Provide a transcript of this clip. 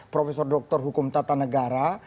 profesor dokter hukum tata negara